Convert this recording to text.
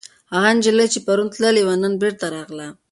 هغه نجلۍ چې پرون تللې وه، نن بېرته راغله.